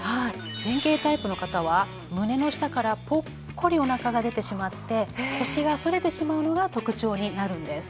前傾タイプの方は胸の下からポッコリお腹が出てしまって腰が反れてしまうのが特徴になるんです。